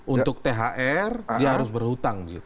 untuk thr dia harus berhutang